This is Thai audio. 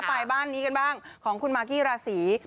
ไปบ้านนี้กันบ้างของคุณมากกี้ราศี